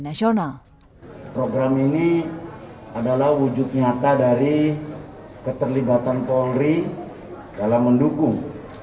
nasional program ini adalah wujud nyata dari keterlibatan polri dalam mendukung